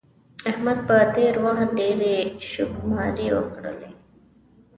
احمد په تېر وخت کې ډېرې شوکماری وکړلې.